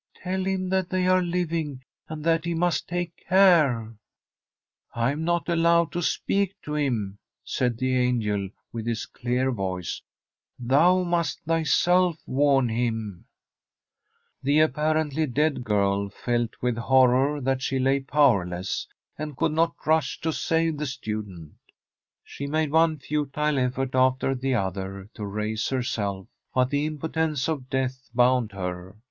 ' Tell him that they are living, and that he must take care/ ' I am not allowed to speak to him/ said the angel with his clear voice ;' thou must thyself warn him/ The apparently dead girl felt with horror that she lay powerless, and could not rush to save the student. She made one futile effort after the other to raise herself, but the impotence of death bound her.